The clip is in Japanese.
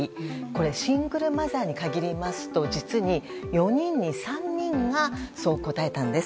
シングルマザーに限りますと実に４人に３人がそう答えたんです。